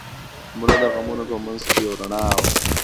مړه د غمونو په منځ کې یو رڼا وه